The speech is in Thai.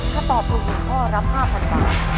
ถ้าตอบควรหมุนข้อรับ๕๐๐๐บาท